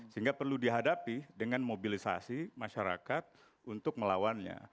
sehingga perlu dihadapi dengan mobilisasi masyarakat untuk melawannya